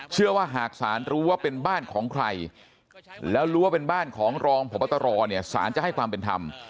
เชื่อว่าหากศาลรู้ว่าเป็นบ้านของใครแล้วรู้ว่าเป็นบ้านของรองพบตรเนี่ยสารจะให้ความเป็นธรรม